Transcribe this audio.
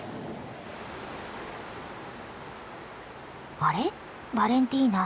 あれっバレンティーナ